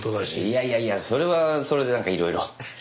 いやいやいやそれはそれでなんかいろいろ。